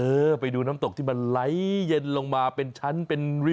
เออไปดูน้ำตกที่มันไล่เย็นลงมาเป็นชั้นเป็นริ้วสวยงาม